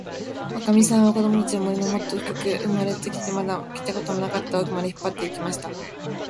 おかみさんは、こどもたちを、森のもっともっとふかく、生まれてまだ来たことのなかったおくまで、引っぱって行きました。